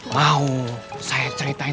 mau saya ceritain